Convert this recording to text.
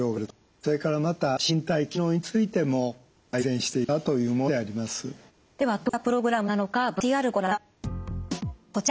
それからまた身体機能についても改善していたというものであります。